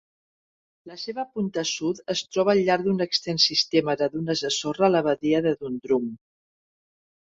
La seva punta sud es troba al llarg d'un extens sistema de dunes de sorra a la badia de Dundrum.